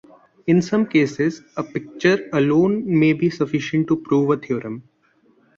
In some cases, a picture alone may be sufficient to prove a theorem.